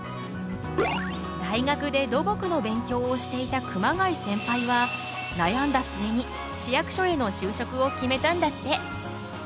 大学で土木の勉強をしていた熊谷センパイは悩んだ末に市役所への就職を決めたんだって。